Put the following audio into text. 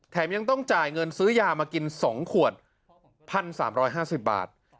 ยังต้องจ่ายเงินซื้อยามากิน๒ขวด๑๓๕๐บาท